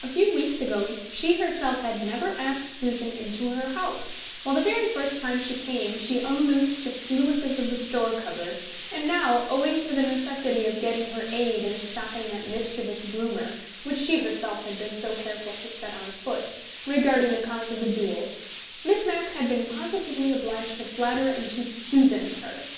A few weeks ago she herself had never asked Susan into her house, while the very first time she came she unloosed the sluices of the store cupboard, and now, owing to the necessity of getting her aid in stopping that mischievous rumour, which she herself had been so careful to set on foot, regarding the cause of the duel, Miss Mapp had been positively obliged to flatter and to "Susan" her.